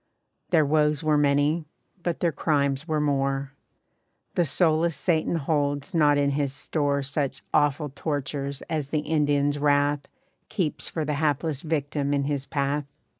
Their woes were many, but their crimes were more. The soulless Satan holds not in his store Such awful tortures as the Indians' wrath Keeps for the hapless victim in his path.